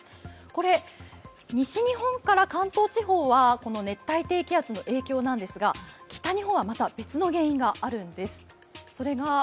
これ、西日本から関東地方はこの熱帯低気圧の影響なんですが、北日本はまた別の原因があるんです。